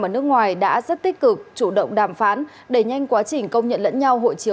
ở nước ngoài đã rất tích cực chủ động đàm phán đẩy nhanh quá trình công nhận lẫn nhau hội chiếu